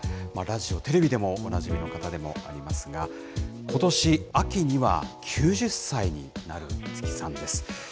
ラジオ、テレビでもおなじみの方でもありますが、ことし秋には、９０歳になる五木さんです。